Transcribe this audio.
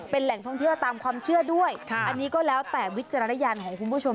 เป็นแหล่งท่องเที่ยวตามความเชื่อด้วยอันนี้ก็แล้วแต่วิจารณญาณของคุณผู้ชม